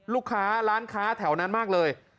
ลูกค้าร้านค้าแถวนั้นมากเลย